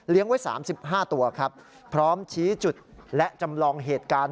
ไว้๓๕ตัวครับพร้อมชี้จุดและจำลองเหตุการณ์